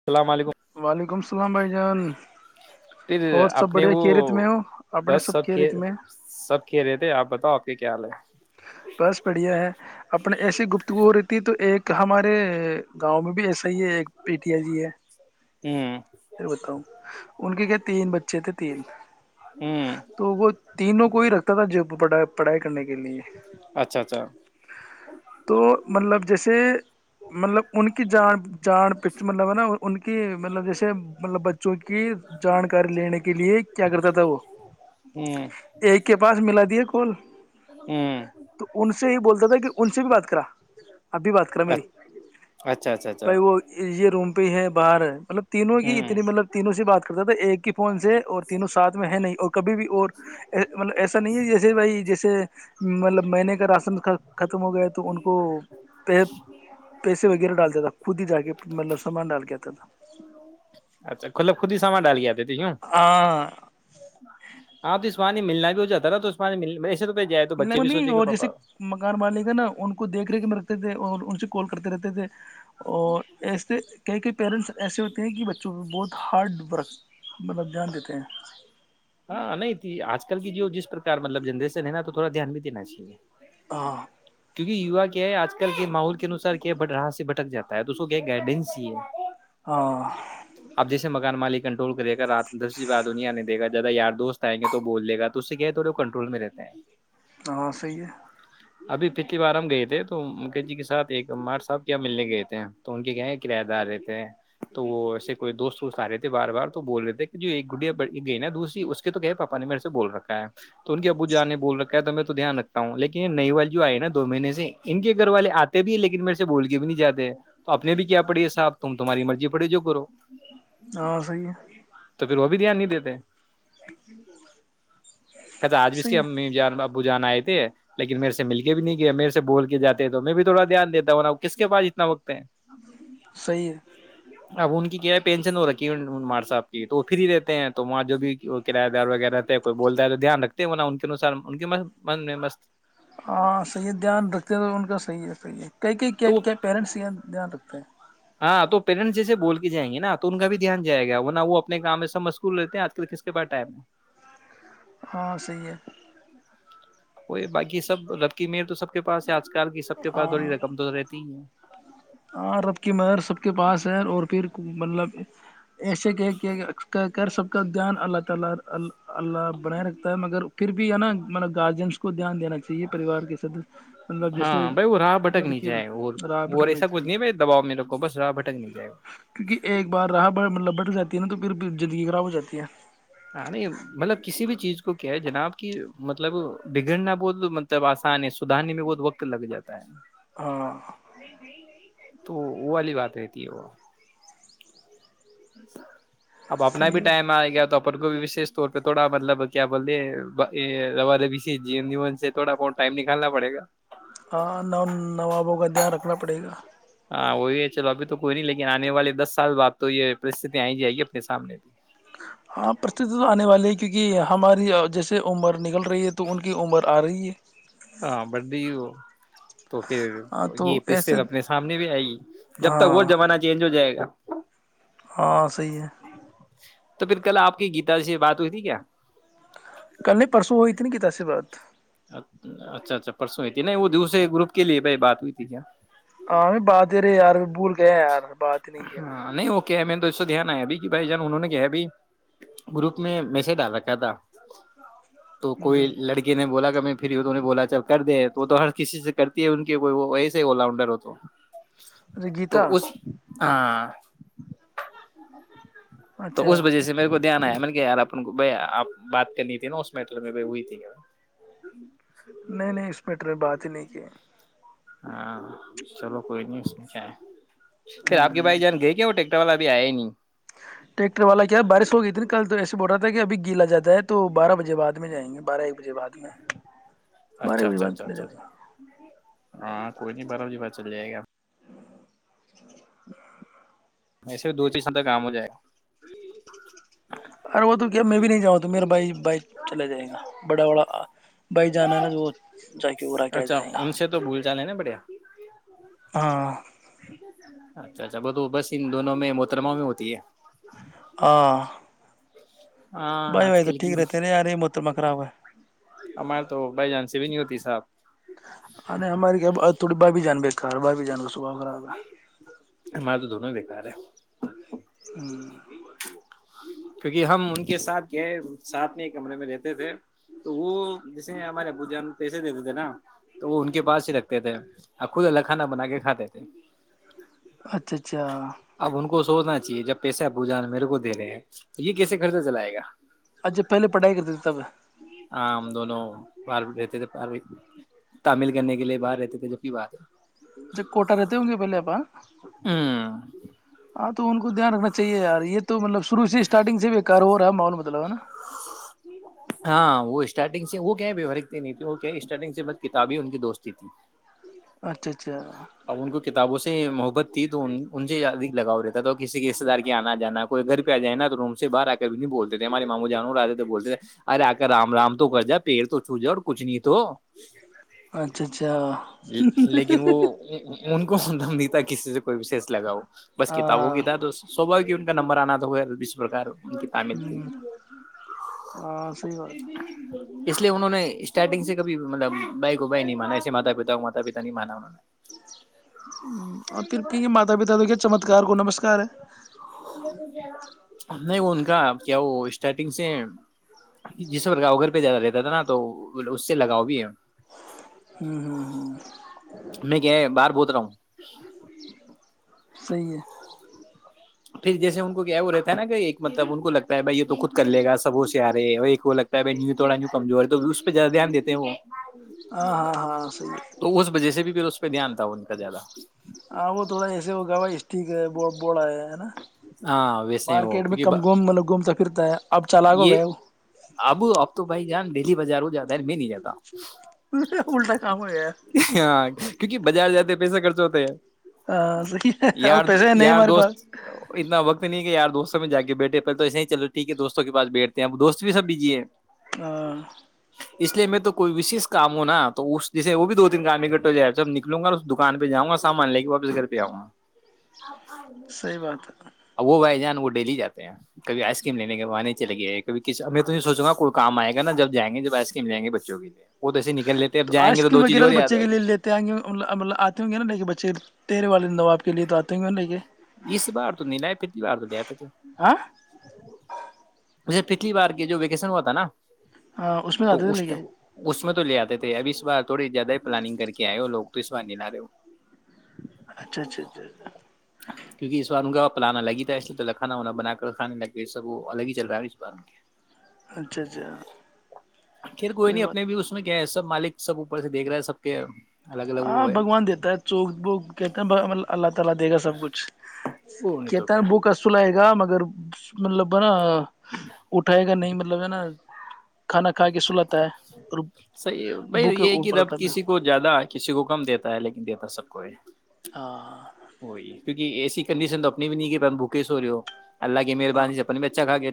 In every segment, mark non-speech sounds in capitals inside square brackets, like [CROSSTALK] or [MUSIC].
السلام علیکم کل بائی گن پھر اپنے وہ اپنے بس سب ک کیرت میں سب ک رہے تھے آپ بتاؤ آپ کے کیال ہے بس بڑھیا ہے اپنے ایسی گفتگو ہو رہیتیھی تو ایک ہمارے گاؤں میں بھی ایسا ایک پیٹیا جی ہے ہوں پھر بتاؤ ان کے کیا تین بچے تھے تین ہوں تو وہ تینوں کو ہی رکھتا تھا جڑھائی پڑھائی کرنے کے لیے اچھا اچھا تو مطلب جیسے مطلب ان کی جان جان پ مطلب ہے نا ان کی مطلب جیسے مطلب بچوں کی جانکاری لینے کے لیے کیا کرتا تھا وہ ہوں ایک کے پاس ملا دیا کال ہوں تو ان سے یہ بولتا تھا کہ ان سے بھی بات کرا اب بھی بات کرا میری اچھا اچھا اچھا بھائی وہ یہ روم پئی ہے باہر مطلب تینوں کی ہوں اتنی مطب تینوں سے بات کر تو ایک کہ فون سے اور تینوں ساتھ میں ہے نہیں اور کبھی بھی اور مطلب ایسا نہیں ہے جیسے بھائی جیسے مطلب مہینے کا راشن ختم ہو گیا تو ان کو پ پیسے وغیرہ ڈالتا تھا خود ہی جا کے مطلب سامان ڈال کےتا تھا اچھا کلب خود ہی سامان ڈال کے آتے تھے یوں ہاں پانی ملنا بھی ہو جاتا ن تو اس پانی نہیں اور جیسے مکان مالک ہے نا ان کو دیکھ ریکھ میں رکھتےتے ان سے کال کرتے رہتے تود اور ایسے کہئی کئی پیرنٹس ایسے ہوتے ہیں کہ بچوں کوہ بہت ہارڈ ورک مطلب جان دیتے ہیں ہاں نہیں تھی آج کل کی جو جس پرار مطلب جنریشن ہے نا تو تھوڑا دھیان بھی دینا چاہیے ہ [INAUDIBLE] [UNINTELLIGIBLE] کیکیوا کیا ہے آج کل کے ماحول کے انوسار کیا ہے بٹ را سے بٹک جاتا ہے تو اس کو کیا گڈینس ہی ہے ہاں مکان مالک کنٹرول کر دے کرات دس بات دنیا نے دیک گا زیادہ یارست آئیں گے تو بولے گا تو اس سے کہ ہے تھڑے وہ کنٹرول میں رہتے ہیں ہاں صحی ہے ابھی پچھلی بار ہم گئے تھے تو مک جی کے سات ایکمار صاحب کیا ملنے گئے تھے تو ان کے کہ ہیں کرایہ دار رہتے تھے تو وہ ایسے کوئی دوست وست آ رہے تھے بار بار تو بول رہے تھے کہ جو ایک گڈیا گئی نا دوسری اس کے تو کہ پاپا نے میرے سے بول رکھا ہے تو ان کے ابو جا نے بول را تو میں تو دھیان رکھتا ہوں لیکن یہ نئی وال جو آئے نا دو مہینے سے ان کے گھر والے آتے بھی ہے لیکن میرے سے بول کے بھی نہیں جے تو اپنے نے بھی کیا پڑی ہے صاحب تم تمہاری مرضی پڑے جو کرو ہاں صحیح ہے تو پھر وہ بھی دھیان نہیں دیتے ب کو کہ آج بھی اس صحیح کی ہے امی جان ب ب جانا آئے تھے لیکن میرے سے مل کے بھی نہیں گیا میرے سے بول کے جاتے تو میں بھی تھوڑا دھیان دیتا ہوں نا کس کے پاس ات وقت ہے صحیح ہے اب ان کی کیا ہے پینشن ہو رکھی ہے مار صاحب کی تو وہ فری رہتے ہیں تو وہاں جو بھی وہ کرایہ دار وغیرہ رہتا کوئی بولتا ہے تو دھیان رکھتے ہیں وہ نا ان کے انسار ان کے من میں مست ہاں صحیح دھیان رکھتے ہیں تو ان کا صحیح ہے توی یہ کئی کئی تو کیا پیرنٹس یہ دھیان رکھتے ہیں ہاں تو پیرنٹس جیسے بول کے جائیں گے نا تو ان کا بھی دھیان جائے گا وہ نہ وہ اپنے کام میں سب مشکول رہتے ہیں آج کل کس کے پا ٹائم ہے ہاں صی ہے وہ باقی سب ربکی میر تو سب کے پاس آ ک کی سب کے پسھڑی ہاں رکھ تو رہتی ہی ہیں ہاں رب کی مہر سب کے پاس ہے اور پھر مطلب ایسے کہ کہ کہ کر سب کا دھیان الگ تلار ال اللہ بنائے رکھتا ہے مگر پھر بھی ہے نا مطلب گارجینس کو دھیان دینا چاہیے پریوار کے سد مطلب جیسے ہاں بھائی وہ راہ بھٹک نہیں لڑکی جائے اور راہ اور پٹنے ایسا کچھ نہیں ہے بھائی دباؤ میرے کو بس راہ بھٹک نہیں جائے کیونکہ ایک بار راہ مطلب بٹھ جاتی نا تو پھر بھی زندگی خراب ہو جاتی ہے ہ نہیں مطلب کسی بھی چیز کو کیا ہے جناب کہ مطلب بگڑنا بہت مطلب آسان ہے سدھارنے میں بہت وقت لگ جاتا ہے ہاں نہیں نہیں تو وہ والی بات رہتی ہے وہ [INAUDIBLE] اب اپنا صحیح بھی ہے ٹائم آئے گیا تو کو بھی وشش طور پہ تھوڑا مطلب کیا بولے ر ربی سے ج جیون سے تھوڑا بت ٹائم نکالنا پڑے گا ہاں نوابوں کا دھیان رکھنا پڑے گا ہاں وہی ہے چلو ابھی تو کوئی نہیں لیکن آنے والے دس سال بد تو یہ پرستتی آ ہی جائے گی اپنے سامنے بھی ہاں پرستتی تو آنے والی ہے کیونکہ ہماری جیسے عمر نکل رہی ہے تو انکی عمر ارہی ہے ہاں بڈی تو پھر ہاں تو یہ پرستے ایسے اپنے سامنے بھی آئے گی جب تک وہ ہاں زمانہ چینج ہو جائے گا [INAUDIBLE] ہاں صحیح ہے تو پھر کل آپ کی گیتا سے بات ہوئی تھی کیا کل نہیں پرسوں ہوئی تھی ن کتا سے بات ا اچھا اچھا پرسوں ہی تھی نہیں وہ دوسے گروپ کے لیے بھائی بات ہوئی تھی کیا ہاں بھی بات ت رہے ار بھول کہ یار بات ہی نہیں کیا میں نے ہاں نہیں وہ کیا ہے میں تو اس دھیان آیا ابھی کہ بھائی جان انہوں نے کیا ا ب گروپ میں میس ڈال رکھا تھا تو ہوں کوئی ہوں لڑکی نے بولا پھر تو انہیں بولا چل کر دے تو تو ہر کسی سے کرتی ہے ان کے کو ایسے ہی آراؤنڈر ہو تو اچھا گیتا تو اس ہاں تو اس اچھا وجہ سے میرے کو دھیان آیا مطل کہ یار اپن کو بھائی آپ بات کرنی تھی نا اس میٹر میں ب ہوئی تھی نہیں نہیں اس میں نے بات ہی نہیں کی ہاں چلو کوئی نہیں اس کیا ہے پھر آ کے بھائی ہوں جان گئے کیا وہٹیک والا بھی آئے ہی نہیں ٹریکٹر والا کیا بارش ہو گئی ت نا کل تو ایسے بول رہ تھا کہ اب گیلا جاتا بیں تو بارہ بجے بعد میں جائیں گے بارہ ایک بجے بعد میں بارہ اچھا ایک بجے اچھا بعد اچھا چلے اچھا جاتے اچھا ہیں ہاں کوئی نہیں بارا بجی بات چل جائے گا ویسے دو چی سدر کام ہو جائے گا ارے وہ تو کیا میں بھی نہیں جاں تو میرا بھائی بائک چلا جائے گا بڑا بڑا بائیک جانا ہے نا تو وہ جا کے ارا کیا جائے گا جانے نا بڑیا ہاں [INAUDIBLE] ان دونوں میں محترما میں ہوتی ہے آ ہاں بھائی آج بھائی تو کل ٹھیک کی رہتے نا یار یہ محترما خراب ہے ہمارے تو بائی جان سے بھی نہیں ہوتی صاحب ا ہماری تھوڑی بابھی جان بے کار بابھی جان و صبا خراب ہے ہمارے [INAUDIBLE] ہمم کیونکہ ہم ان کے ساتھ گ ساتھ میں ہی کمرے میں رہتے تھے تو وہ جسے ہمارے ابو جان پیسے دیتے تھے نا تو وہ ان کے پاس ہی رکھتے تھے اور خود اللہ کھانا بنا کے کھاتے تھے اچھا اچھا اب ان کو سوچنا چاہیے جب پیسے بوجان میرے کو دے ہیں یہ کیسے خرچہ چلائے گا اچھا پہلے پڑھائی کر تے تھے تب ہاں ہم دونوں باررہتے تھے تعمل کرنے کے لیے باہر رہتے تھے جب کی بات ہے چی کوٹا رہتے ہوں گے پہلے آپ ہے ہاں تو ان کو دھیان رکھنا چاہےیار یہ تو تو مطلب شروع سے اسٹارٹنگ سے ب کار ہو رہا ہے ماول مطلب ہے نا ہاں وہ اسٹارٹنگ سے وہ کہ ہرکتے نہیں تے وہ اسٹارٹنگ سے بس کتاب ان کی دوستی تھی اچھا اچھا اب ان کو کتابوں سے محبت تھی تو ان سےد لگاؤ رہتا تھا کسی کے رشتے دار کے آنا جانا کوئی گھر بھی آ جائے نا تو روم سے باہر آ کر بھی نہیں بولتے تھے ہمارے ماموں جان اور آتے تو بولتے تھے ارے آ کر رام رام تو کر جا پیر تو چھو جاؤ اور کچھ نہیں تو اچھا اچھا لیکن وہ [INAUDIBLE] بس کتابوں ہاں کتا تو تھا با کہ ان کا نمبر آنا تھا [INAUDIBLE] تھی ہوں ہاں صحیح بات اس لیے انہوں نے اسٹارٹنگ سے کبھی مطلب بھائی کو بھائی نہیں مانا ایسے ماتا پتا کو ماتا پتا نہیں مانا انہوں نے اور پھر کہ یہ ماتا پتا تو کیا چمتکار کو نمسکار ہے یہ ب ج گا [UNINTELLIGIBLE] نہیں وہ ان کا کیا وہ اسٹارٹنگ سے جس پرگاؤ گھر پہ زیادہ رہتا تھا نا تو اس سے لگاؤ بھی ہے ہوں ہوں میں کیا ہے باہر ہوں [INAUDIBLE] صی ہے پھر جیسے ان کو کیا ہو رہتا تھا نا کہ ایک مطلب ان کو لگتا ہے بائی یہ تو خود کر لےا سب ہوشیار ہے اور ایک وہ لگتا ہے بائی نیوتھوڑا کمزور ہے تو اس پہ زیادہ دھیان دیتے ہیں وہ ہاں ہاں ہاں صحیح ہے تو اس وجہ سے بھی پھر اس پہ دھیان تھا ان کا زیادہ ہاں وہ تھوڑا ایسے ہوگا اسٹیک ہے ب [UNINTELLIGIBLE] نا ہاں ویسے ہیں وہ مارکیٹ میں کیونکہ کم ب- گھمتا پھرتا مطلب گھومتا پھرتا ہے اب چالک ہو گیا وہ یان ڈیلی باروں جاتا ہے میں نہیں جاتا وہ الٹا کام ہو گیا ہاں کیونکہ بازار ج پیسے خرچ ہوتے ہے ہاں س ا [UNINTELLIGIBLE] ور پیسے ہے نہیں ہمارے پاس دوست اتنا وقت نہیں ک یار رستوں میں جا کے بیٹھے پلے تو ایسے ہی چل ٹھیک ہے دوستوں کے پاس بیٹھتے ہیں اب دوست بھی سب بھیجی ہے آ [INAUDIBLE] اس لیے میں تو کوئی وشش کام ہوں نا تو اس جیسے وہ بھی دو تین کام میں کر ہو جائےب نکلوں گا اور اس دکان پہ جاؤں گا سامان لے کے واپس گھر پہ آؤں گا آاں صحیح بات ہے [INAUDIBLE] ا وہ بھائی جان وہ ڈیلی جے ہیں کھی آئس کریم لینے کےاں نہیں چے گیائے کب ک میں تو نہیں سوچ گا کوئی کام آ گا جب جائیں گ جب آئس کریم لیں گے بچوں کے لیے وہ تو ایسے نکل لیتے اب تو جائیں آئس گے کریم دو چیز وغیرہ اور تو یاد بچے آئے کے لیے لیتے آئ گے مطلب آتے ہوں گے نا لے کے بچے تیرے والے د دوب آپ کے لیے آتے ہیں کیوں رہیے اس بار تو نہیں لائے پھر بار تو لے آتے تھ ہاں جے پچھلی بار کی جو ویکشن ہوا تھا نا ہاں اس میں زیادہ د لے اس میں تو لے آتے تھے اب اس بار تھوڑی زیادہ ہی پلاننگ کر کے آئے ہو لوگ تو اس بار نہیں ل رہے ہو اچھا اچھا اچھا اچھا کیونکہ اس بار ان کا پلانا لگ ہی تھا اسے تو کانا ہوا بنا کر کھانے لگ گئے سب وہ الگ ہی چل رہا ہے اس بار ان کے اچھا اچھا پھر کوئی نہیں اپنے بھی اس میں کیا ہے سب مالک سب اوپر سے دیکھ رہا ہے سب کے الگ الگ ا وہ ہے بھگوان دیتا ہے جو وہ کہتے ہیں اللہ تعالی دے گا سب کچھ وہ نہیں تو کہتا ہے کیا بوکصول آئے گا مگر مطلب نا اٹھائے گا نہیں مطلب ہے نا کھانا کھا کے سلاتا ہے اور صیح بھائی بوکے یہ کہ اوپر رب اٹھاتا کسی ہے کو زیادہ کسی کو کم دیتا ہے لیکن دیتا ہے سب کوئی ہاں وہئی کیونکہ اےسی کڈیشن تو اپنی بھی نہیں ہے بوکش ہو رہی ہو اللہگ ہاں مییررانی سپن بچا ہگ گے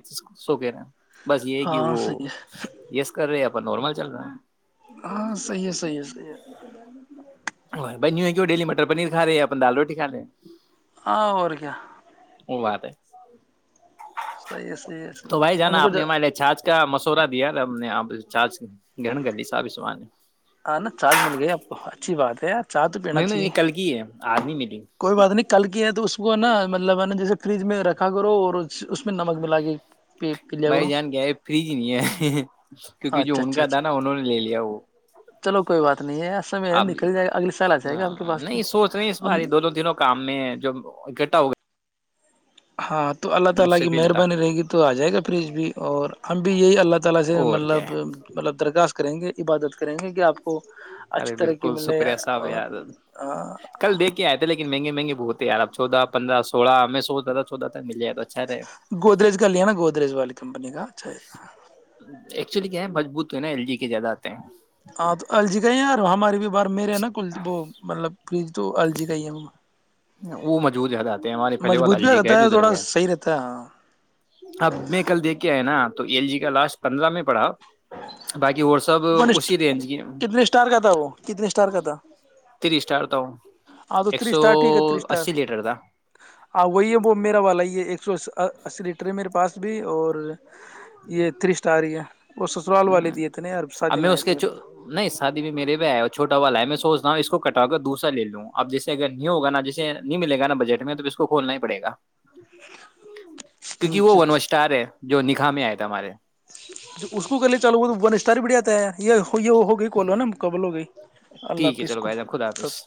[INAUDIBLE] بس یہ کہ ہاں وہ صحیح ہے یس کر رہے آپ نارمل چل رہا ہے [INAUDIBLE] ہاں صحیح ہے صحیح ہے صحیح ہے اور بائی نہیںی ہے کیوں ڈیلی مٹر پنیر کا رہے ہیںن دالو [INAUDIBLE] ہاں اور کیا [INAUDIBLE] صیح ہے صحیح ہے صحیح تو ہے بھائی ان جانا کو آپ جو نے ہمارے لیے چھاچ کا مسورا دیا نا ہم نے آپ چ گن گ لی ساب سو ہاں نا چارج مل گئی آپ کو اچھی بات ہے یار چائے تو پینا نہی نہیں یہ چاہیے کل کی ہے آدمی کوئی بات نہیں کل کی ہے تو اس اس کو نا مطلب ہے نا جیسے فریج میں رکھا کرو اور اس میں نمک ملا کے پی پی لیا بھائی کرو جان گ ہے فریج نہیں ہے کیونکہ جو اچھا ان اچھا کا تھا اچھا نا انہوں نے لے لیا وہ چلو کوئی بات نہیں ہے سمے ہے آپ نکل جائے گا اگلے سال آ جائے گا آپ کے پاس میں نہیں سوچ رہے اس ا بار دونوں تینوں کام میں جب اکٹھا ہو گیا ہاں تو اللہ مجھ تعالی سے کی بھی لٹا مہربانی رہے گی تو آ جائے گا پریج بھی اور ہم بھی یہی اللہ تعالی سے اور کیا مطلب ہے مطلب درخواست کریں گے عبادت کریں گے کہ آپ کو اچھی ارے طرح کی بالکل ملے شکریہ صاحب اور یار کل دیکھ کے آئے تھے لیکن مہنگے مہگے بہت ہیںیار ا چودہ پندرہ سولہ ہمیں سو زہ چودہ تک مل جاتا گودریج کا لیا نا گودریج والی کمپنی کا [INAUDIBLE] ایکچولی کیا ہے مجبوط ہو ہے نا ایلی زیاداد ہاں تو الجی کہیں یار ہماری بھی بار میرے نا کل وہ مطلب پری تو الرجی کہئی ہے ہم وہ موجود ر آتے ہیں ہمارے پہلے والا مضبوط بھی اجے کا ہے رہتا جو ادھر تھوڑا کا ہے صحیح رہتا ہے ہاں اب میں کل دیکھ کے آئے نا تو ایل جی کا لاسٹ پندرہ میں پڑھا باقی اور سب ون اسی رینج کی کتنے اسٹار کا تھا وہ کتنے اسٹار کا تھا تیس اسٹار تھا ایک سو ہ اسی لیٹر وہی ہے وہ میرا والا ہی ہے ایک سو اس اسی لیٹر ہے میرے پاس بھی اور یہ تھری اسٹ آ رہ ہے وہ سسرال والے ہ دیے تھے نا یار اب شادی میں آیا اس تھا کے میرے پاس۔ نہیں شادی بھی میرے بھی ہے اور چھوٹا والا ہے میں سوچ اس کو کٹا کے دوسرا لے لوں اب جسے اگر نہیں ہوگا جیسے نہیں ملے گ نا بجٹ میں تو اس کو کھولنا ہی پڑےا کیونکہ وہ اچھا ون اچھا وسٹار ہے جو نکا میں آئے ار اس کو کرے چلو وہ تو ون استار بھی بڑھاتا ہے یہ یہ ہو گئی کولو نا مقابل ہو گئی اللہ ٹھیک ہے اس چلو کو بھائی جان خدا حافظ